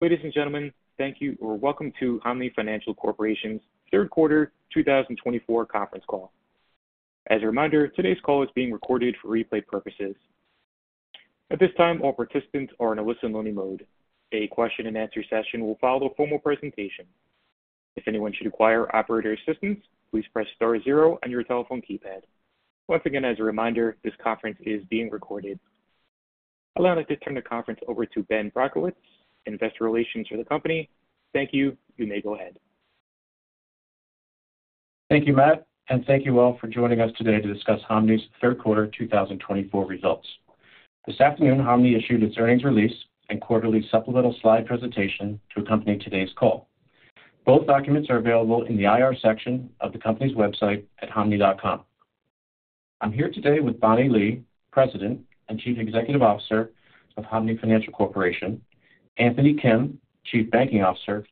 Ladies and gentlemen, thank you, or welcome to Hanmi Financial Corporation's third quarter two thousand and twenty-four conference call. As a reminder, today's call is being recorded for replay purposes. At this time, all participants are in a listen-only mode. A question and answer session will follow the formal presentation. If anyone should require operator assistance, please press star zero on your telephone keypad. Once again, as a reminder, this conference is being recorded. I'd like to turn the conference over to Ben Brakovich, Investor Relations for the company. Thank you. You may go ahead. Thank you, Matt, and thank you all for joining us today to discuss Hanmi's third quarter two thousand and twenty-four results. This afternoon, Hanmi issued its earnings release and quarterly supplemental slide presentation to accompany today's call. Both documents are available in the IR section of the company's website at hanmi.com. I'm here today with Bonnie Lee, President and Chief Executive Officer of Hanmi Financial Corporation, Anthony Kim, Chief Banking Officer,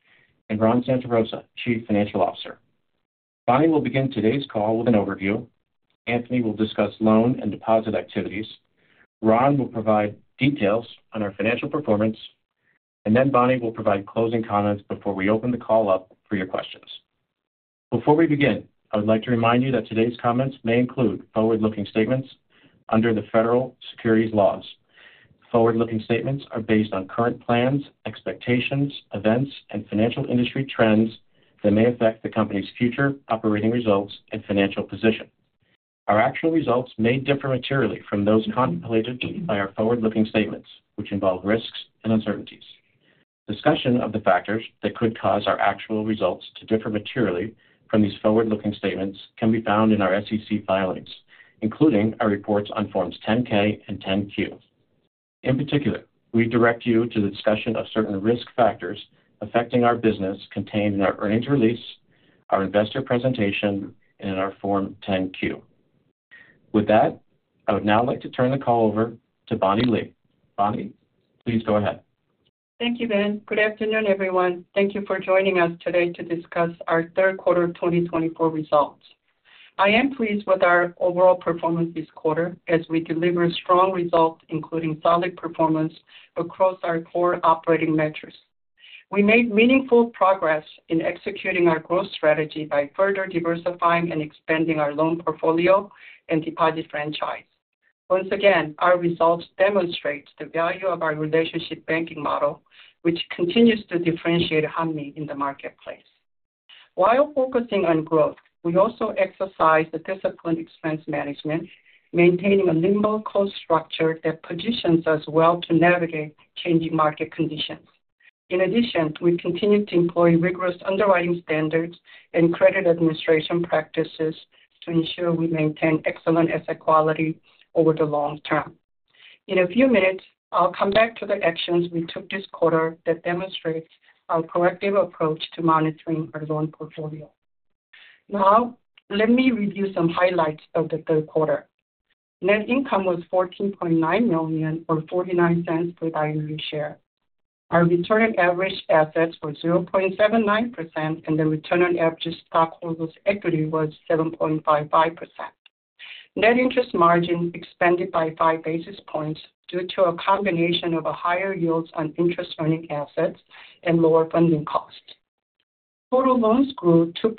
and Ron Santarosa, Chief Financial Officer. Bonnie will begin today's call with an overview. Anthony will discuss loan and deposit activities. Ron will provide details on our financial performance, and then Bonnie will provide closing comments before we open the call up for your questions. Before we begin, I would like to remind you that today's comments may include forward-looking statements under the Federal securities laws. Forward-looking statements are based on current plans, expectations, events, and financial industry trends that may affect the company's future operating results and financial position. Our actual results may differ materially from those contemplated by our forward-looking statements, which involve risks and uncertainties. Discussion of the factors that could cause our actual results to differ materially from these forward-looking statements can be found in our SEC filings, including our reports on Forms 10-K and 10-Q. In particular, we direct you to the discussion of certain risk factors affecting our business contained in our earnings release, our investor presentation, and in our Form 10-Q. With that, I would now like to turn the call over to Bonnie Lee. Bonnie, please go ahead. Thank you, Ben. Good afternoon, everyone. Thank you for joining us today to discuss our third quarter of twenty twenty-four results. I am pleased with our overall performance this quarter as we deliver strong results, including solid performance across our core operating metrics. We made meaningful progress in executing our growth strategy by further diversifying and expanding our loan portfolio and deposit franchise. Once again, our results demonstrate the value of our relationship banking model, which continues to differentiate Hanmi in the marketplace. While focusing on growth, we also exercise the disciplined expense management, maintaining a nimble cost structure that positions us well to navigate changing market conditions. In addition, we continue to employ rigorous underwriting standards and credit administration practices to ensure we maintain excellent asset quality over the long term. In a few minutes, I'll come back to the actions we took this quarter that demonstrates our proactive approach to monitoring our loan portfolio. Now, let me review some highlights of the third quarter. Net income was $14.9 million, or $0.49 per share. Our return on average assets was 0.79%, and the return on average stockholders' equity was 7.55%. Net interest margin expanded by five basis points due to a combination of a higher yields on interest-earning assets and lower funding costs. Total loans grew 2%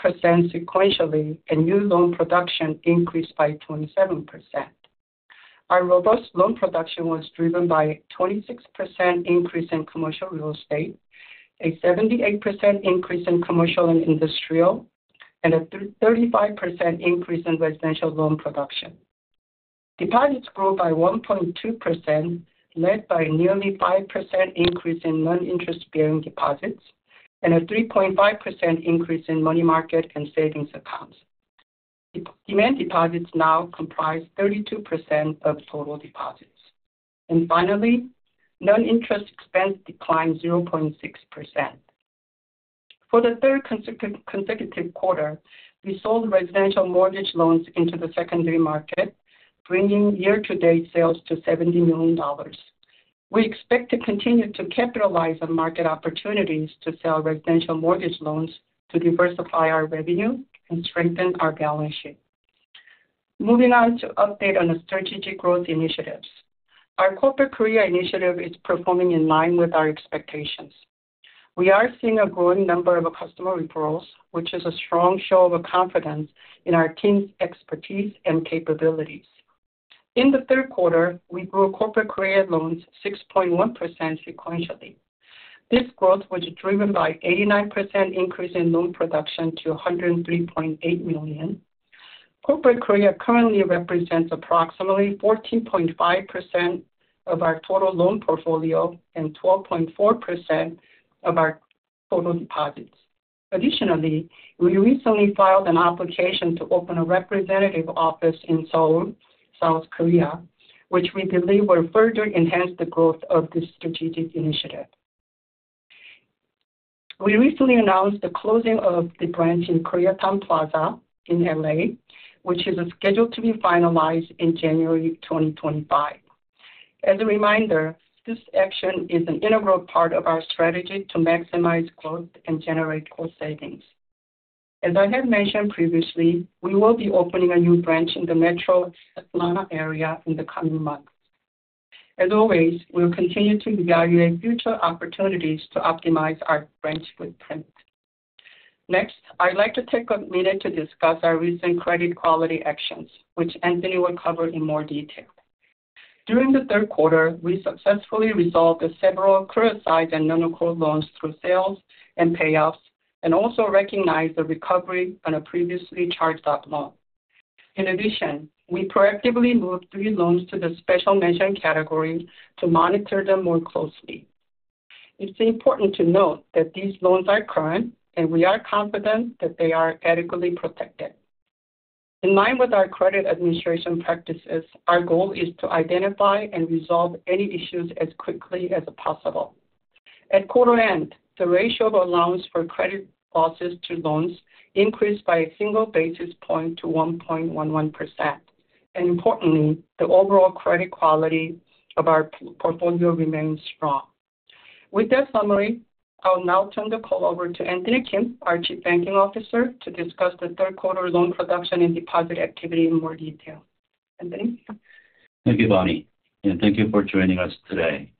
sequentially, and new loan production increased by 27%. Our robust loan production was driven by a 26% increase in commercial real estate, a 78% increase in commercial and industrial, and a thirty-five percent increase in residential loan production. Deposits grew by 1.2%, led by nearly 5% increase in non-interest bearing deposits and a 3.5% increase in money market and savings accounts. Demand deposits now comprise 32% of total deposits. Finally, non-interest expense declined 0.6%. For the third consecutive quarter, we sold residential mortgage loans to the secondary market, bringing year-to-date sales to $70 million. We expect to continue to capitalize on market opportunities to sell residential mortgage loans to diversify our revenue and strengthen our balance sheet. Moving on to update on the strategic growth initiatives. Our Corporate Korea Initiative is performing in line with our expectations. We are seeing a growing number of customer referrals, which is a strong show of confidence in our team's expertise and capabilities. In the third quarter, we grew Corporate Korea loans 6.1% sequentially. This growth was driven by 89% increase in loan production to $103.8 million. Corporate Korea currently represents approximately 14.5% of our total loan portfolio and 12.4% of our total deposits. Additionally, we recently filed an application to open a representative office in Seoul, South Korea, which we believe will further enhance the growth of this strategic initiative. We recently announced the closing of the branch in Koreatown Plaza in LA, which is scheduled to be finalized in January 2025. As a reminder, this action is an integral part of our strategy to maximize growth and generate cost savings. As I have mentioned previously, we will be opening a new branch in the metro Atlanta area in the coming months. As always, we'll continue to evaluate future opportunities to optimize our branch footprint. Next, I'd like to take a minute to discuss our recent credit quality actions, which Anthony will cover in more detail. During the third quarter, we successfully resolved the several criticized and non-accrual loans through sales and payoffs, and also recognized the recovery on a previously charged-off loan. In addition, we proactively moved three loans to the special mention category to monitor them more closely. It's important to note that these loans are current, and we are confident that they are adequately protected. In line with our credit administration practices, our goal is to identify and resolve any issues as quickly as possible. At quarter end, the ratio of allowance for credit losses to loans increased by a single basis point to 1.11%. And importantly, the overall credit quality of our portfolio remains strong. With that summary, I'll now turn the call over to Anthony Kim, our Chief Banking Officer, to discuss the third quarter loan production and deposit activity in more detail. Anthony? Thank you, Bonnie, and thank you for joining us today.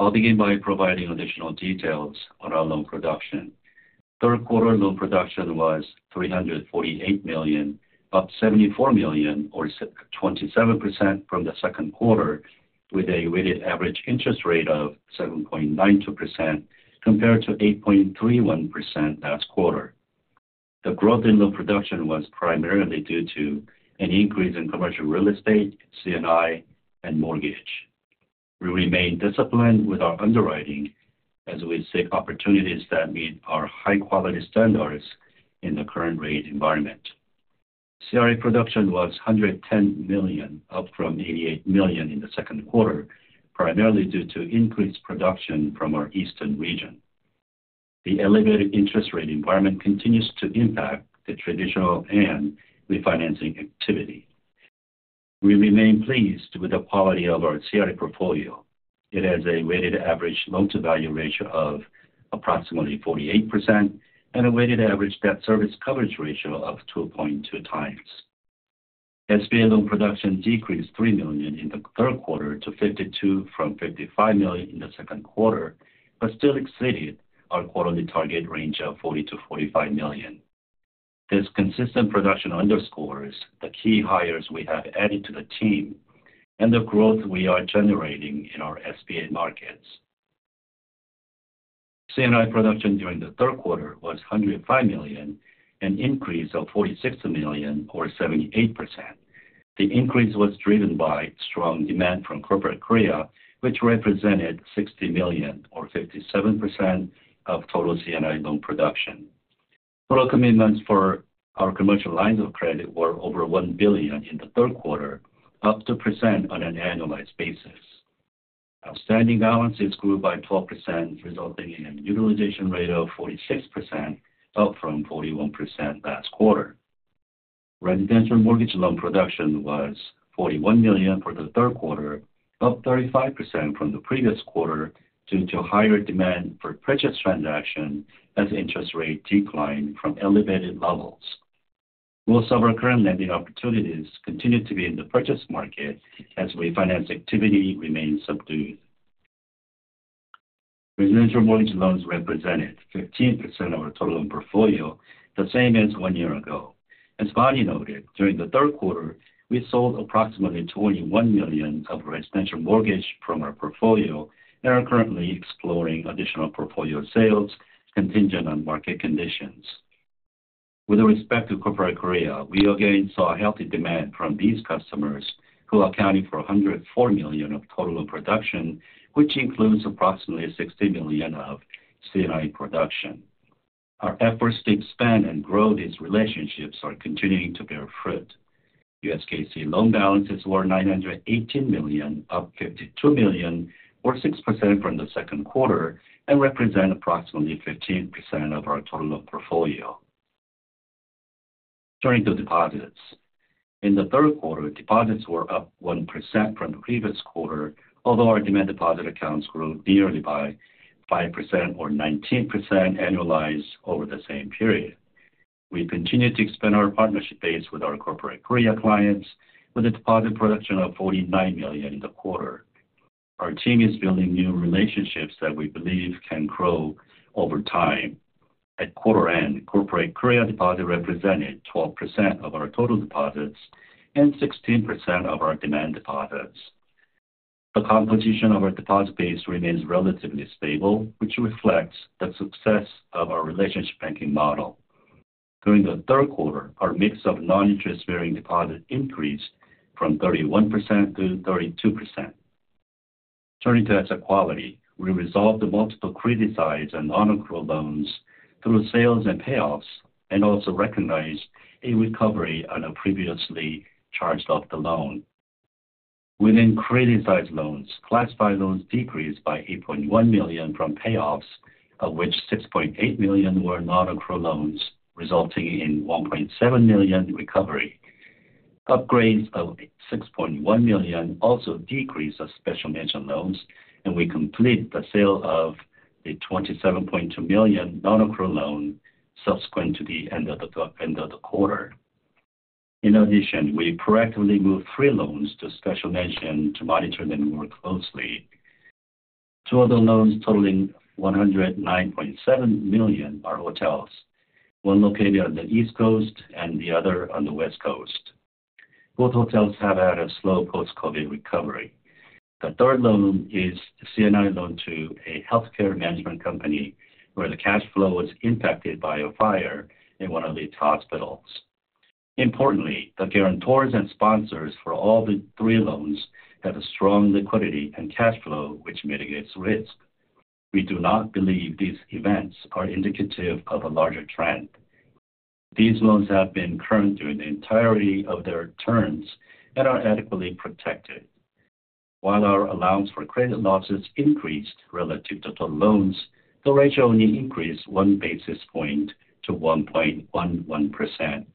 I'll begin by providing additional details on our loan production. Third quarter loan production was $348 million, up $74 million or 27% from the second quarter, with a weighted average interest rate of 7.92%, compared to 8.31% last quarter. The growth in loan production was primarily due to an increase in commercial real estate, C&I, and mortgage. We remain disciplined with our underwriting as we seek opportunities that meet our high-quality standards in the current rate environment. CRE production was $110 million, up from $88 million in the second quarter, primarily due to increased production from our eastern region. The elevated interest rate environment continues to impact the residential and refinancing activity. We remain pleased with the quality of our CRE portfolio. It has a weighted average loan-to-value ratio of approximately 48% and a weighted average debt service coverage ratio of 2.2 times. SBA loan production decreased $3 million in the third quarter to $52 million from $55 million in the second quarter, but still exceeded our quarterly target range of $40-$45 million. This consistent production underscores the key hires we have added to the team and the growth we are generating in our SBA markets. C&I production during the third quarter was $105 million, an increase of $46 million or 78%. The increase was driven by strong demand from corporate Korea, which represented $60 million, or 57% of total C&I loan production. Total commitments for our commercial lines of credit were over $1 billion in the third quarter, up two percent on an annualized basis. Outstanding balances grew by 12%, resulting in a utilization rate of 46%, up from 41% last quarter. Residential mortgage loan production was $41 million for the third quarter, up 35% from the previous quarter, due to higher demand for purchase transactions as interest rates declined from elevated levels. Most of our current lending opportunities continue to be in the purchase market as refinance activity remains subdued. Residential mortgage loans represented 15% of our total loan portfolio, the same as one year ago. As Bonnie noted, during the third quarter, we sold approximately $21 million of residential mortgages from our portfolio and are currently exploring additional portfolio sales contingent on market conditions. With respect to corporate Korea, we again saw a healthy demand from these customers, who accounted for $104 million of total loan production, which includes approximately $60 million of C&I production. Our efforts to expand and grow these relationships are continuing to bear fruit. U.S. Korea loan balances were $918 million, up $52 million, or 6% from the second quarter, and represent approximately 15% of our total loan portfolio. Turning to deposits. In the third quarter, deposits were up 1% from the previous quarter, although our demand deposit accounts grew yearly by 5% or 19% annualized over the same period. We continue to expand our partnership base with our corporate Korea clients with a deposit production of $49 million in the quarter. Our team is building new relationships that we believe can grow over time. At quarter end, Corporate Korea deposits represented 12% of our total deposits and 16% of our demand deposits. The composition of our deposit base remains relatively stable, which reflects the success of our relationship banking model. During the third quarter, our mix of non-interest bearing deposits increased from 31% to 32%. Turning to asset quality, we resolved the multiple criticized and non-accrual loans through sales and payoffs, and also recognized a recovery on a previously charged-off loan. Within criticized loans, classified loans decreased by $8.1 million from payoffs, of which $6.8 million were non-accrual loans, resulting in $1.7 million recovery. Upgrades of $6.1 million also decreased as special mention loans, and we complete the sale of a $27.2 million non-accrual loan subsequent to the end of the quarter. In addition, we proactively moved three loans to special mention to monitor them more closely. Two of the loans, totaling $109.7 million, are hotels, one located on the East Coast and the other on the West Coast. Both hotels have had a slow post-COVID recovery. The third loan is a C&I loan to a healthcare management company, where the cash flow was impacted by a fire in one of its hospitals. Importantly, the guarantors and sponsors for all the three loans have a strong liquidity and cash flow, which mitigates risk. We do not believe these events are indicative of a larger trend. These loans have been current during the entirety of their terms and are adequately protected. While our allowance for credit losses increased relative to the loans, the ratio only increased one basis point to 1.11%.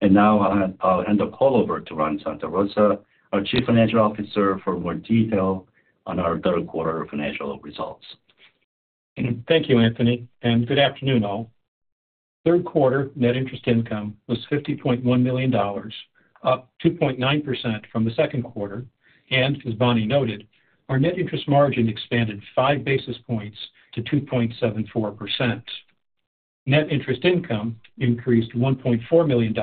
And now, I'll hand the call over to Ron Santarosa, our Chief Financial Officer, for more detail on our third quarter financial results. Thank you, Anthony, and good afternoon, all. Third quarter net interest income was $50.1 million, up 2.9% from the second quarter, and as Bonnie noted, our net interest margin expanded five basis points to 2.74%. Net interest income increased $1.4 million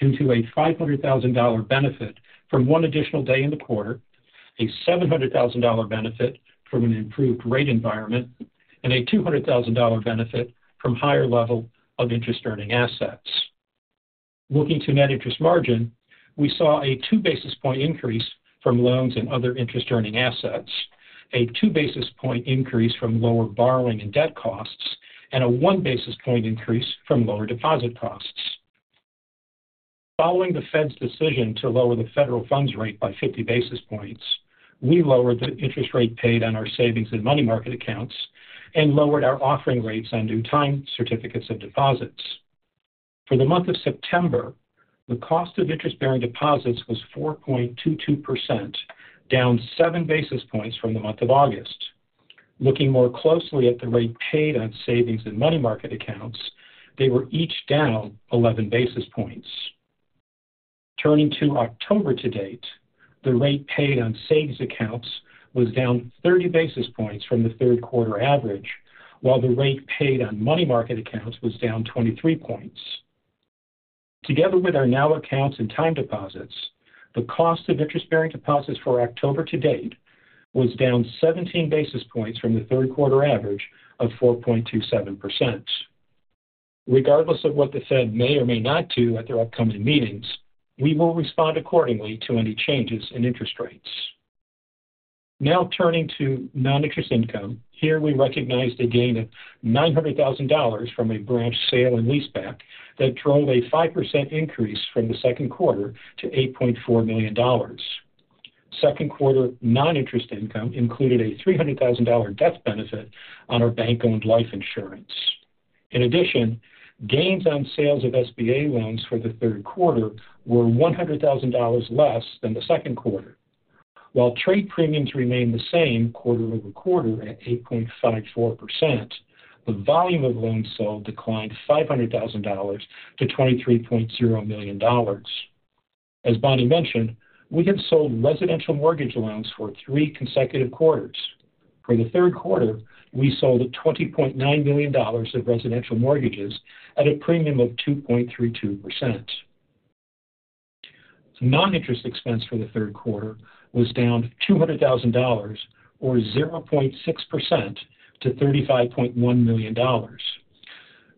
into a $500,000 benefit from one additional day in the quarter, a $700,000 benefit from an improved rate environment, and a $200,000 benefit from higher level of interest-earning assets. Looking to net interest margin, we saw a two basis point increase from loans and other interest-earning assets, a two basis point increase from lower borrowing and debt costs, and a one basis point increase from lower deposit costs. Following the Fed's decision to lower the federal funds rate by fifty basis points, we lowered the interest rate paid on our savings and money market accounts and lowered our offering rates on time certificates of deposit. For the month of September, the cost of interest-bearing deposits was 4.22%, down seven basis points from the month of August. Looking more closely at the rate paid on savings and money market accounts, they were each down eleven basis points. Turning to October to date, the rate paid on savings accounts was down thirty basis points from the third quarter average, while the rate paid on money market accounts was down twenty-three points. Together with our NOW accounts and time deposits, the cost of interest-bearing deposits for October to date was down seventeen basis points from the third quarter average of 4.27%. Regardless of what the Fed may or may not do at their upcoming meetings, we will respond accordingly to any changes in interest rates. Now, turning to non-interest income. Here, we recognized a gain of $900,000 from a branch sale and leaseback that drove a 5% increase from the second quarter to $8.4 million. Second quarter non-interest income included a $300,000 death benefit on our bank-owned life insurance. In addition, gains on sales of SBA loans for the third quarter were $100,000 less than the second quarter. While trade premiums remained the same quarter over quarter at 8.54%, the volume of loans sold declined $500,000 to $23.0 million. As Bonnie mentioned, we have sold residential mortgage loans for three consecutive quarters. For the third quarter, we sold $20.9 million of residential mortgages at a premium of 2.32%. Non-interest expense for the third quarter was down $200,000, or 0.6%, to $35.1 million.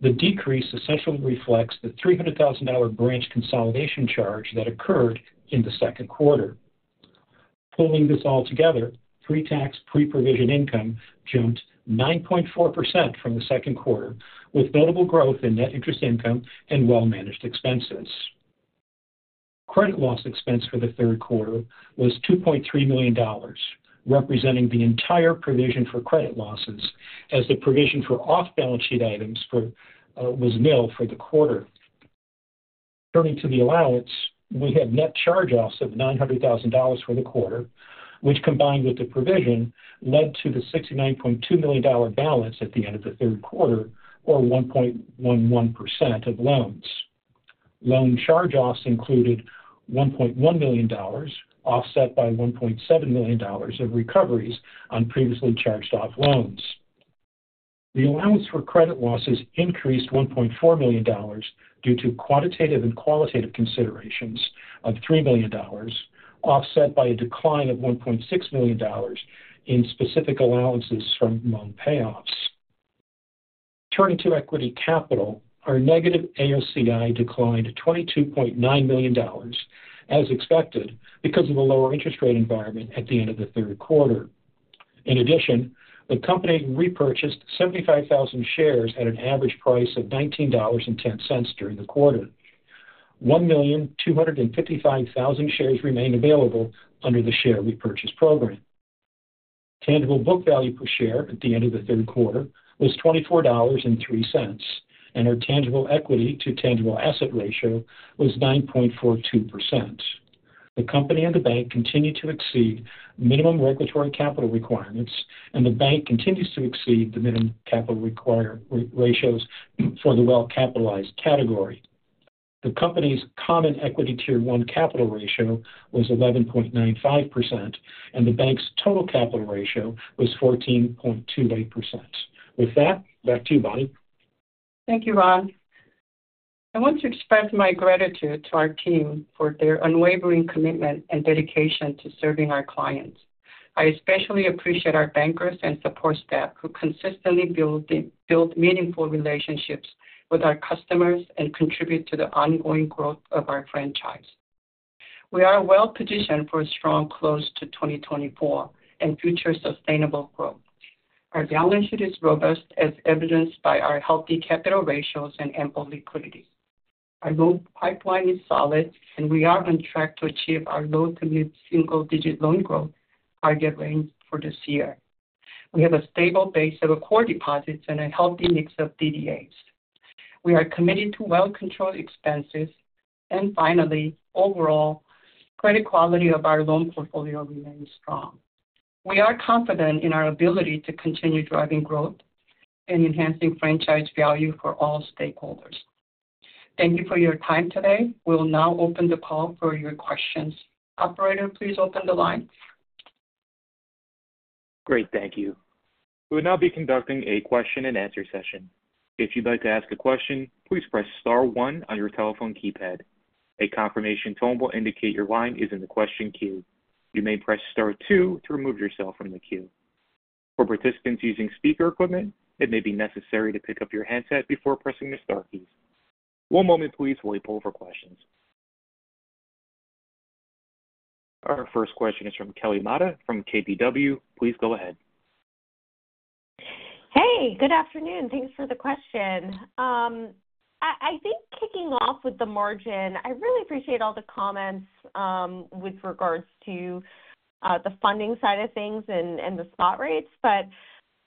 The decrease essentially reflects the $300,000 branch consolidation charge that occurred in the second quarter. Pulling this all together, pre-tax pre-provision income jumped 9.4% from the second quarter, with notable growth in net interest income and well-managed expenses. Credit loss expense for the third quarter was $2.3 million, representing the entire provision for credit losses, as the provision for off-balance sheet items for, was nil for the quarter. Turning to the allowance, we had net charge-offs of $900,000 for the quarter, which, combined with the provision, led to the $69.2 million balance at the end of the third quarter, or 1.11% of loans. Loan charge-offs included $1.1 million, offset by $1.7 million of recoveries on previously charged-off loans. The allowance for credit losses increased $1.4 million due to quantitative and qualitative considerations of $3 million, offset by a decline of $1.6 million in specific allowances from loan payoffs. Turning to equity capital, our negative AOCI declined to $22.9 million, as expected, because of a lower interest rate environment at the end of the third quarter. In addition, the company repurchased 75,000 shares at an average price of $19.10 during the quarter. 1,255,000 shares remain available under the share repurchase program. Tangible book value per share at the end of the third quarter was $24.03, and our tangible equity to tangible assets ratio was 9.42%. The company and the bank continue to exceed minimum regulatory capital requirements, and the bank continues to exceed the minimum capital ratios for the well-capitalized category. The company's common equity tier one capital ratio was 11.95%, and the bank's total capital ratio was 14.28%. With that, back to you, Bonnie. Thank you, Ron. I want to express my gratitude to our team for their unwavering commitment and dedication to serving our clients. I especially appreciate our bankers and support staff, who consistently build meaningful relationships with our customers and contribute to the ongoing growth of our franchise. We are well positioned for a strong close to 2024 and future sustainable growth. Our balance sheet is robust, as evidenced by our healthy capital ratios and ample liquidity. Our loan pipeline is solid, and we are on track to achieve our low- to mid-single-digit loan growth target range for this year. We have a stable base of core deposits and a healthy mix of DDAs. We are committed to well-controlled expenses. Finally, overall, credit quality of our loan portfolio remains strong. We are confident in our ability to continue driving growth and enhancing franchise value for all stakeholders. Thank you for your time today. We'll now open the call for your questions. Operator, please open the line. Great. Thank you. We will now be conducting a question-and-answer session. If you'd like to ask a question, please press star one on your telephone keypad. A confirmation tone will indicate your line is in the question queue. You may press star two to remove yourself from the queue. For participants using speaker equipment, it may be necessary to pick up your handset before pressing the star keys. One moment, please, while we pull for questions. Our first question is from Kelly Motta from KBW. Please go ahead. Hey, good afternoon. Thanks for the question. I think kicking off with the margin, I really appreciate all the comments with regards to the funding side of things and the spot rates. But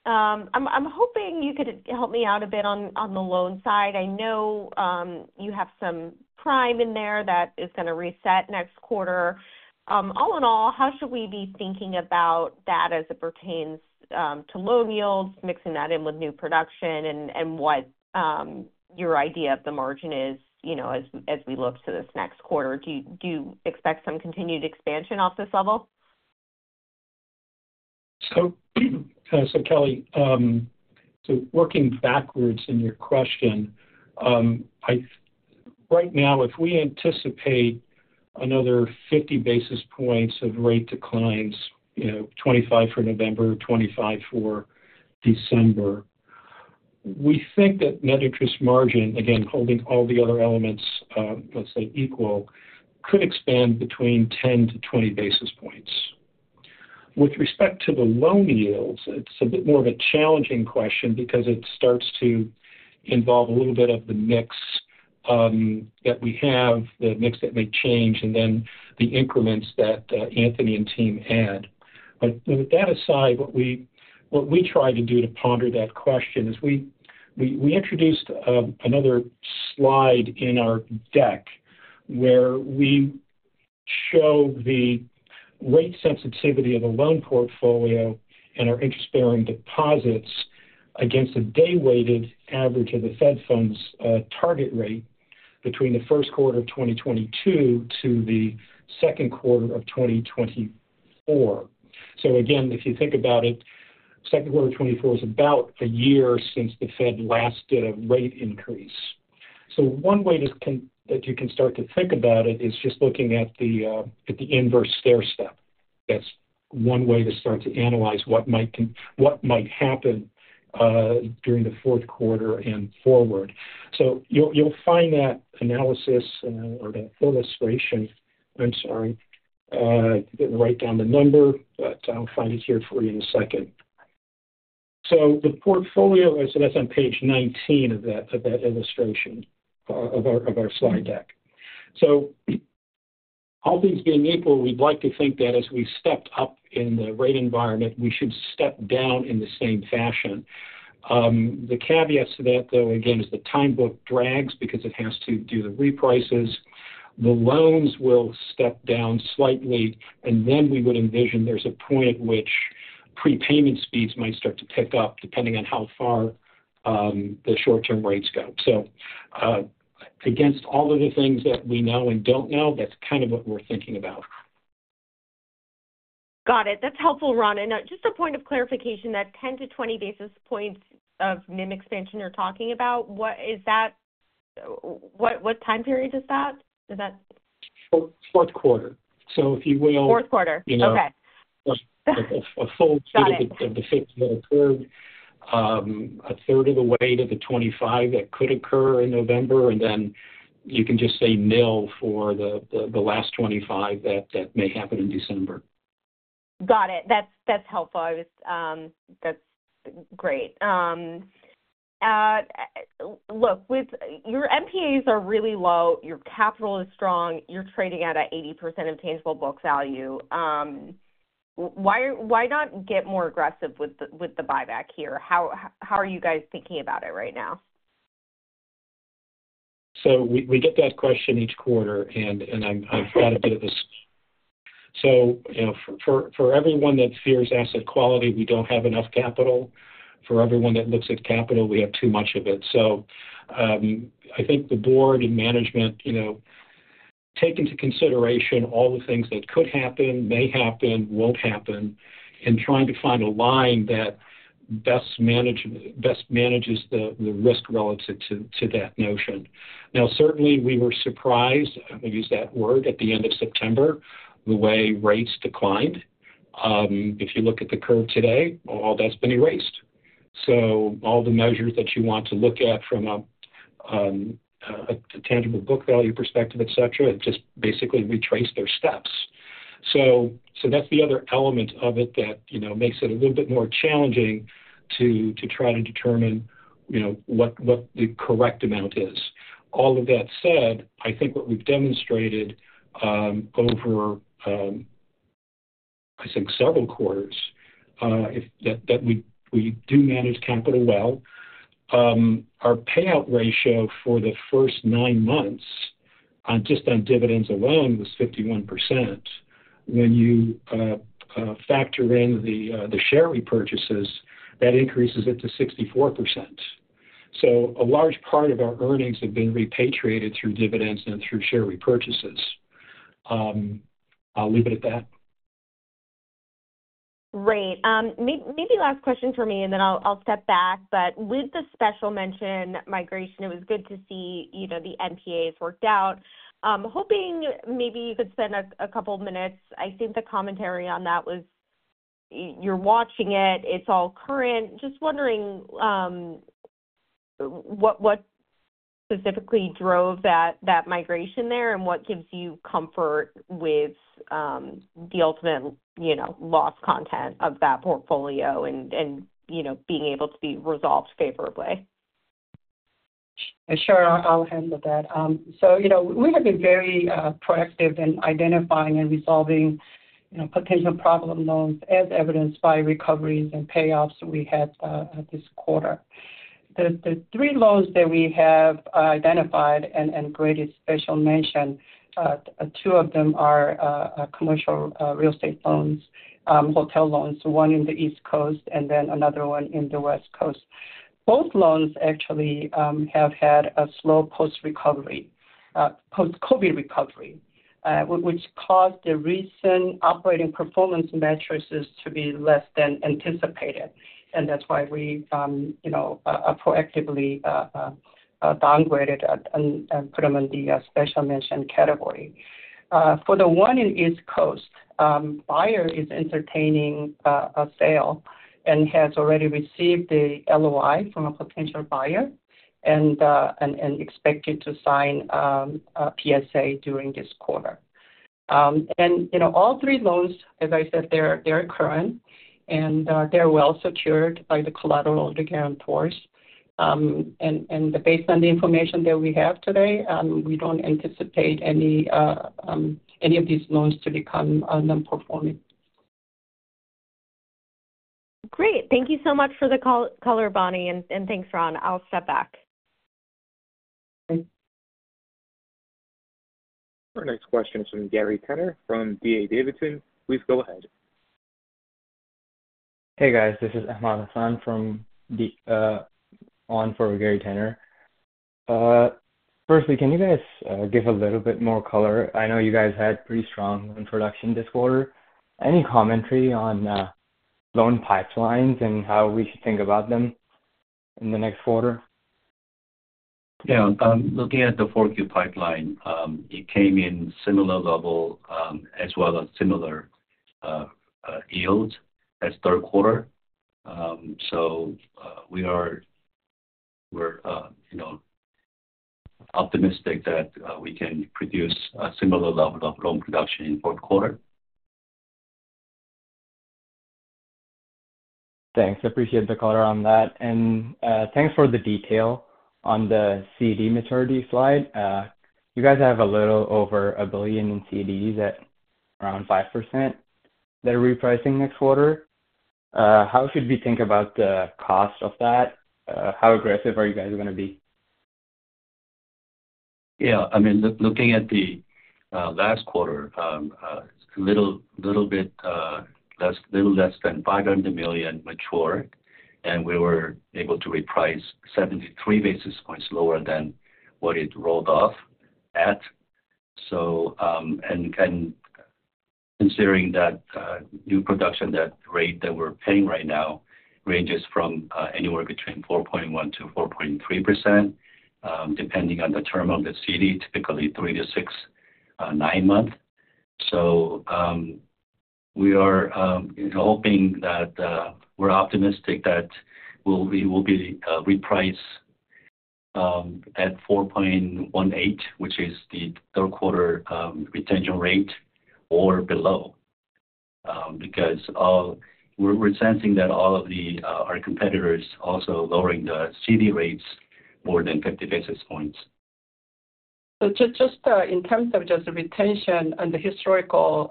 I'm hoping you could help me out a bit on the loan side. I know you have some prime in there that is gonna reset next quarter. All in all, how should we be thinking about that as it pertains to loan yields, mixing that in with new production, and what your idea of the margin is, you know, as we look to this next quarter? Do you expect some continued expansion off this level? Kelly, working backwards in your question, right now, if we anticipate another 50 basis points of rate declines, you know, 25 for November, 25 for December, we think that net interest margin, again, holding all the other elements, let's say equal, could expand between 10 to 20 basis points. With respect to the loan yields, it's a bit more of a challenging question because it starts to involve a little bit of the mix that we have, the mix that may change, and then the increments that Anthony and team add. But with that aside, what we tried to do to ponder that question is we introduced another slide in our deck, where we show the rate sensitivity of the loan portfolio and our interest-bearing deposits against a day-weighted average of the Fed funds target rate between the first quarter of twenty twenty-two to the second quarter of twenty twenty-four. So again, if you think about it, second quarter twenty-four is about a year since the Fed last did a rate increase. So one way that you can start to think about it is just looking at the inverse stairstep. That's one way to start to analyze what might happen during the fourth quarter and forward. So you'll find that analysis, or that illustration, I'm sorry, didn't write down the number, but I'll find it here for you in a second. The portfolio is. That's on page 19 of that illustration of our slide deck. All things being equal, we'd like to think that as we stepped up in the rate environment, we should step down in the same fashion. The caveats to that, though, again, is the time book drags because it has to do the reprices. The loans will step down slightly, and then we would envision there's a point at which prepayment speeds might start to pick up, depending on how far the short-term rates go. Against all of the things that we know and don't know, that's kind of what we're thinking about. Got it. That's helpful, Ron. And, just a point of clarification, that ten to twenty basis points of NIM expansion you're talking about, what is that, what, what time period is that? Is that- Fourth quarter. So if you will- Fourth quarter. You know. Okay. A full third of the fifth or third, a third of the way to the twenty-five that could occur in November, and then you can just say nil for the last twenty-five that may happen in December. Got it. That's, that's helpful. I was, That's great. Look, with your NPAs are really low, your capital is strong, you're trading at 80% of tangible book value. Why, why not get more aggressive with the, with the buyback here? How, how are you guys thinking about it right now? So we get that question each quarter, and I've got a bit of this. So, you know, for everyone that fears asset quality, we don't have enough capital. For everyone that looks at capital, we have too much of it. So, I think the board and management, you know, take into consideration all the things that could happen, may happen, won't happen, and trying to find a line that best manages the risk relative to that notion. Now, certainly, we were surprised, I use that word, at the end of September, the way rates declined. If you look at the curve today, all that's been erased. So all the measures that you want to look at from a tangible book value perspective, et cetera, it just basically retrace their steps. So that's the other element of it that, you know, makes it a little bit more challenging to try to determine, you know, what the correct amount is. All of that said, I think what we've demonstrated over, I think several quarters, is that we do manage capital well. Our payout ratio for the first nine months on, just on dividends alone was 51%. When you factor in the share repurchases, that increases it to 64%. So a large part of our earnings have been repatriated through dividends and through share repurchases. I'll leave it at that. Great. Maybe last question for me, and then I'll step back. But with the special mention migration, it was good to see, you know, the NPAs worked out. Hoping maybe you could spend a couple minutes. I think the commentary on that was, you're watching it, it's all current. Just wondering, what specifically drove that migration there, and what gives you comfort with the ultimate, you know, loss content of that portfolio and, you know, being able to be resolved favorably? Sure, I'll handle that. So, you know, we have been very proactive in identifying and resolving, you know, potential problem loans as evidenced by recoveries and payoffs we had this quarter. The three loans that we have identified and graded special mention. Two of them are commercial real estate loans, hotel loans, one in the East Coast and then another one in the West Coast. Both loans actually have had a slow post-recovery post-COVID recovery, which caused the recent operating performance metrics to be less than anticipated, and that's why we, you know, proactively downgraded and put them in the special mention category. For the one in East Coast, buyer is entertaining a sale and has already received the LOI from a potential buyer, and expected to sign a PSA during this quarter. You know, all three loans, as I said, they're current, and they're well secured by the collateral of the guarantors. Based on the information that we have today, we don't anticipate any of these loans to become non-performing. Great. Thank you so much for the call, caller, Bonnie, and thanks, Ron. I'll step back. Thanks. Our next question is from Gary Tenner from D.A. Davidson. Please go ahead. Hey, guys. This is Ahmad Hasan from D.A. Davidson on for Gary Tenner. Firstly, can you guys give a little bit more color? I know you guys had pretty strong introduction this quarter. Any commentary on loan pipelines and how we should think about them in the next quarter? Yeah, looking at the 4Q pipeline, it came in similar level, as well as similar yield as third quarter. So, we're, you know, optimistic that we can produce a similar level of loan production in fourth quarter. Thanks. I appreciate the color on that. Thanks for the detail on the CD maturity slide. You guys have a little over $1 billion in CDs at around 5% that are repricing next quarter. How should we think about the cost of that? How aggressive are you guys gonna be? Yeah, I mean, looking at the last quarter, a little bit less than $500 million mature, and we were able to reprice 73 basis points lower than what it rolled off at. So, and considering that new production, that rate that we're paying right now ranges from anywhere between 4.1% to 4.3%, depending on the term of the CD, typically three to six, nine months. So, we are hoping that we're optimistic that we'll be reprice at 4.18%, which is the third quarter retention rate or below. Because we're sensing that all of our competitors are also lowering the CD rates more than 50 basis points. So just in terms of just the retention and the historical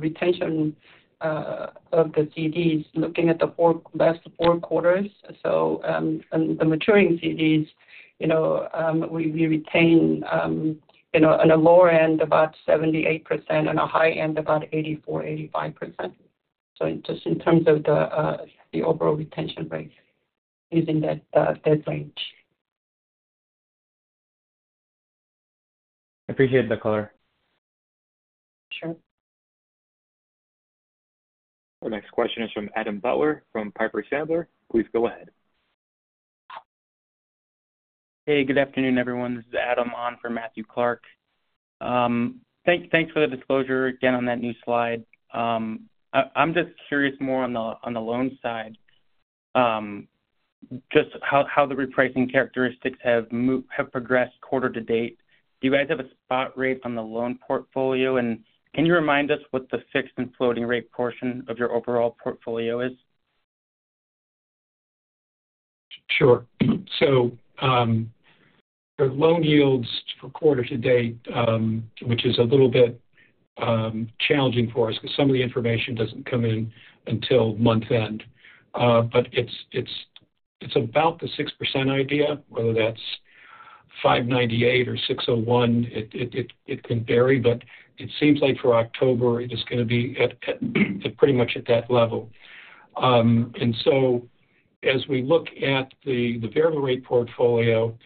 retention of the CDs, looking at the last four quarters. So and the maturing CDs, you know, we retain, you know, on a lower end, about 78%, and a high end, about 84-85%. So just in terms of the overall retention rate is in that range. Appreciate the color. Sure. Our next question is from Adam Butler from Piper Sandler. Please go ahead. Hey, good afternoon, everyone. This is Adam, on for Matthew Clark. Thanks for the disclosure again on that new slide. I'm just curious more on the loan side, just how the repricing characteristics have progressed quarter to date. Do you guys have a spot rate on the loan portfolio? And can you remind us what the fixed and floating rate portion of your overall portfolio is? Sure. So, the loan yields for quarter to date, which is a little bit challenging for us because some of the information doesn't come in until month-end. But it's about the 6% idea, whether that's 5.98% or 6.01%, it can vary, but it seems like for October, it is gonna be at pretty much at that level. And so as we look at the variable rate portfolio,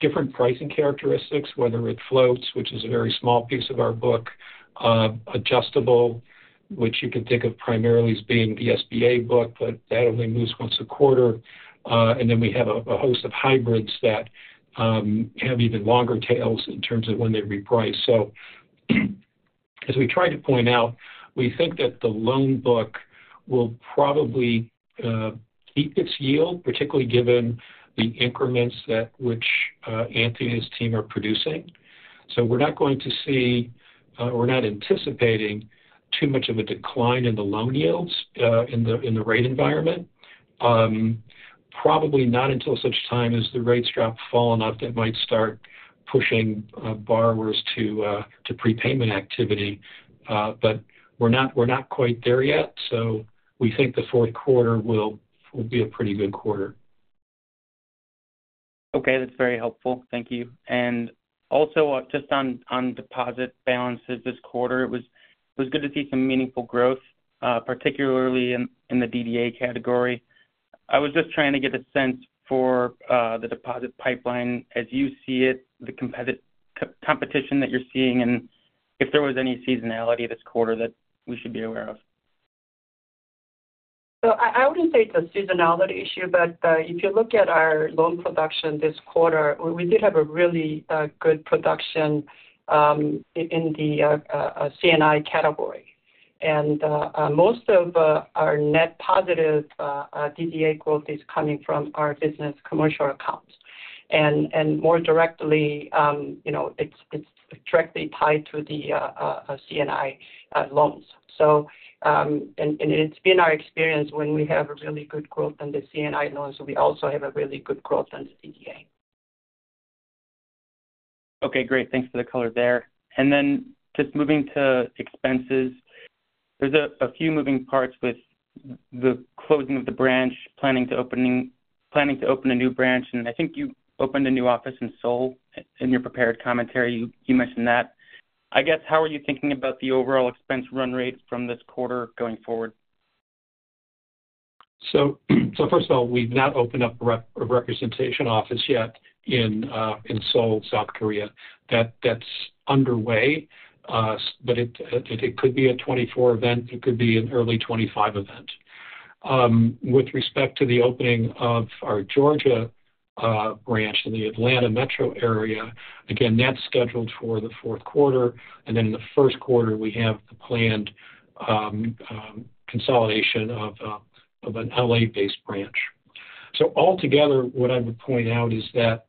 different pricing characteristics, whether it floats, which is a very small piece of our book, adjustable, which you can think of primarily as being the SBA book, but that only moves once a quarter. And then we have a host of hybrids that have even longer tails in terms of when they reprice. So as we try to point out, we think that the loan book will probably keep its yield, particularly given the increments which Anthony and his team are producing. So we're not going to see, we're not anticipating too much of a decline in the loan yields in the rate environment. Probably not until such time as the rates drop or fall enough, that might start pushing borrowers to prepayment activity. But we're not quite there yet, so we think the fourth quarter will be a pretty good quarter. Okay, that's very helpful. Thank you. And also, just on deposit balances this quarter, it was good to see some meaningful growth, particularly in the DDA category. I was just trying to get a sense for the deposit pipeline as you see it, the competition that you're seeing, and if there was any seasonality this quarter that we should be aware of. So I wouldn't say it's a seasonality issue, but if you look at our loan production this quarter, we did have a really good production in the C&I category. And most of our net positive DDA growth is coming from our business commercial accounts. And more directly, you know, it's directly tied to the C&I loans, so it's been our experience when we have a really good growth on the C&I loans, we also have a really good growth on the DDA. Okay, great. Thanks for the color there. And then just moving to expenses. There's a few moving parts with the closing of the branch, planning to open a new branch, and I think you opened a new office in Seoul. In your prepared commentary, you mentioned that. I guess, how are you thinking about the overall expense run rate from this quarter going forward? First of all, we've not opened up a representation office yet in Seoul, South Korea. That's underway, but it could be a 2024 event; it could be an early 2025 event. With respect to the opening of our Georgia branch in the Atlanta metro area, again, that's scheduled for the fourth quarter, and then in the first quarter, we have the planned consolidation of an LA-based branch. Altogether, what I would point out is that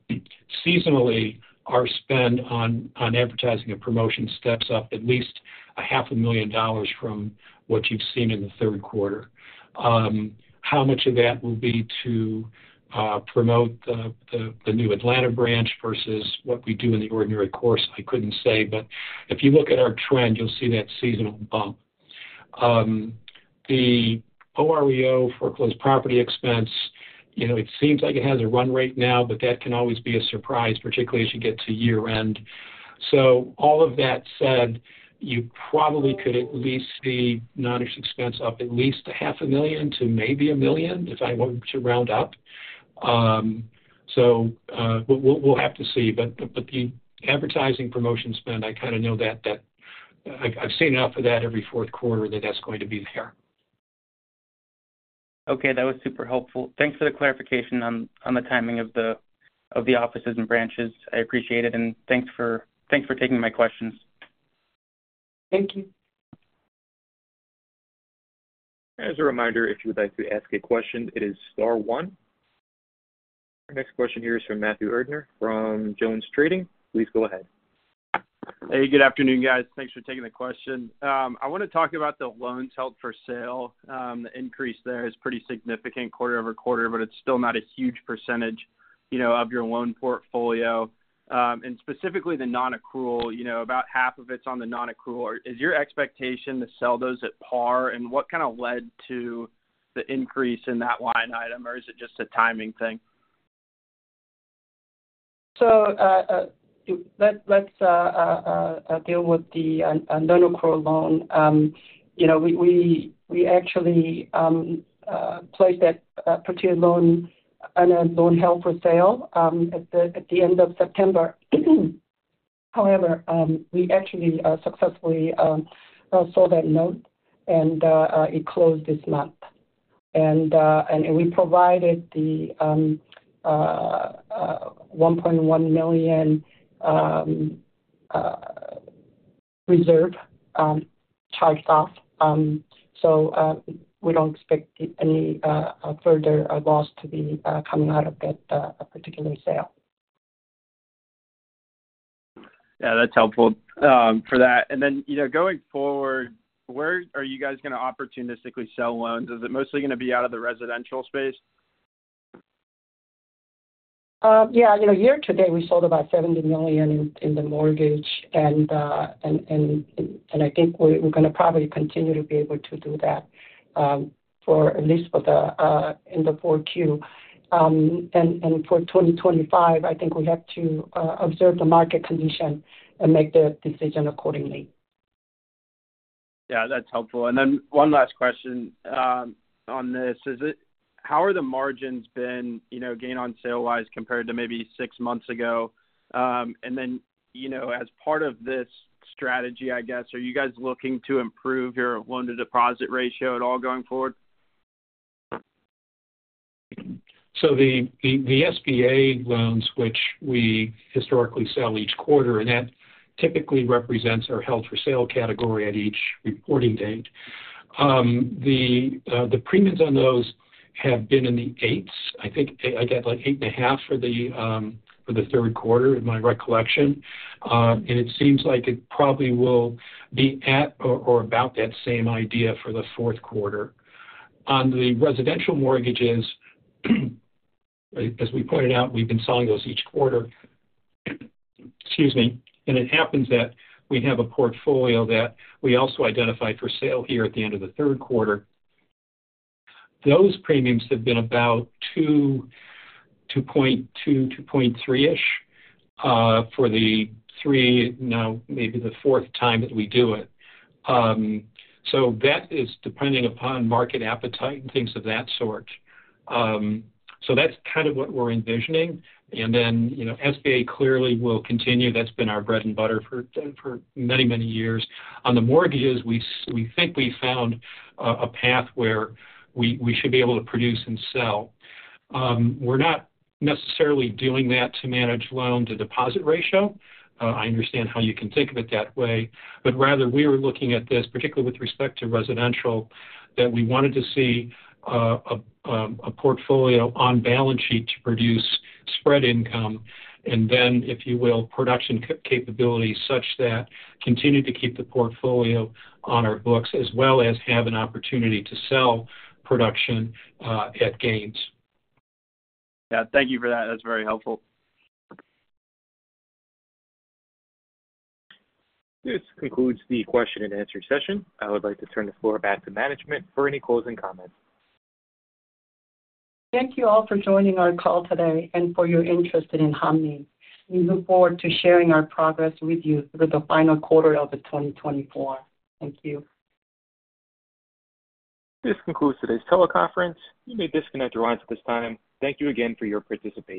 seasonally, our spend on advertising and promotion steps up at least $500,000 from what you've seen in the third quarter. How much of that will be to promote the new Atlanta branch versus what we do in the ordinary course? I couldn't say, but if you look at our trend, you'll see that seasonal bump. The OREO foreclosed property expense, you know, it seems like it has a run rate now, but that can always be a surprise, particularly as you get to year-end. So all of that said, you probably could at least see non-interest expense up at least $500,000 to maybe $1 million, if I were to round up. So, we'll have to see, but the advertising promotion spend, I kind of know that. I've seen enough of that every fourth quarter that that's going to be there. Okay. That was super helpful. Thanks for the clarification on the timing of the offices and branches. I appreciate it, and thanks for taking my questions. Thank you. As a reminder, if you would like to ask a question, it is star one. Our next question here is from Matthew Erdner from JonesTrading. Please go ahead. Hey, good afternoon, guys. Thanks for taking the question. I want to talk about the loans held for sale. The increase there is pretty significant quarter over quarter, but it's still not a huge percentage, you know, of your loan portfolio, and specifically, the nonaccrual, you know, about half of it's on the nonaccrual. Is your expectation to sell those at par? And what kind of led to the increase in that line item, or is it just a timing thing? Let's deal with the nonaccrual loan. You know, we actually placed that particular loan on a loan held for sale at the end of September. However, we actually successfully sold that note, and we provided the $1.1 million reserve charged off. We don't expect any further loss to be coming out of that particular sale. Yeah, that's helpful, for that. And then, you know, going forward, where are you guys gonna opportunistically sell loans? Is it mostly gonna be out of the residential space? Yeah. You know, year to date, we sold about $70 million in the mortgage, and I think we're gonna probably continue to be able to do that for at least the 4Q. And for twenty twenty-five, I think we have to observe the market condition and make the decision accordingly. Yeah, that's helpful, and then one last question on this. How are the margins been, you know, gain-on-sale wise, compared to maybe six months ago, and then, you know, as part of this strategy, I guess, are you guys looking to improve your loan-to-deposit ratio at all going forward? So the SBA loans, which we historically sell each quarter, and that typically represents our held-for-sale category at each reporting date. The premiums on those have been in the eights. I think I got, like, eight and a half for the third quarter, if my recollection. And it seems like it probably will be at or about that same idea for the fourth quarter. On the residential mortgages, as we pointed out, we've been selling those each quarter. Excuse me. And it happens that we have a portfolio that we also identified for sale here at the end of the third quarter. Those premiums have been about two to point two, to point three-ish, for the three, now, maybe the fourth time that we do it. So that is depending upon market appetite and things of that sort. That's kind of what we're envisioning. You know, SBA clearly will continue. That's been our bread and butter for many, many years. On the mortgages, we think we found a path where we should be able to produce and sell. We're not necessarily doing that to manage loan-to-deposit ratio. I understand how you can think of it that way, but rather we are looking at this, particularly with respect to residential, that we wanted to see a portfolio on balance sheet to produce spread income, and then, if you will, production capability such that continue to keep the portfolio on our books, as well as have an opportunity to sell production at gains. Yeah. Thank you for that. That's very helpful. This concludes the question and answer session. I would like to turn the floor back to management for any closing comments. Thank you all for joining our call today and for your interest in Hanmi. We look forward to sharing our progress with you through the final quarter of 2024. Thank you. This concludes today's teleconference. You may disconnect your lines at this time. Thank you again for your participation.